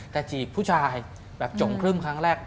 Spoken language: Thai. แต่จีบผู้ชายแบบจงครึ่มครั้งแรก